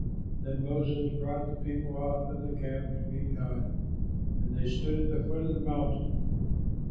Then Moses brought the people out of the camp to meet God; and they stood at the foot of the mountain.